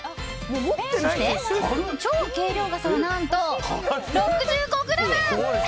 そして超軽量傘は、何と６５ｇ！